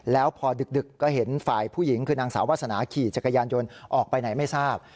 แล้วพอดึกก็เห็นฝ่ายผู้หญิงคือนางสาววาสนาขี่จักรยานยนต์ออกไปไหนไม่ทราบ